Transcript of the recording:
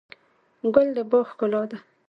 ګل د باغ ښکلا ده.